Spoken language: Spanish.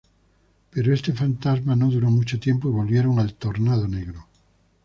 Pero este Fantasma no duró mucho tiempo, y volvieron al Tornado negro.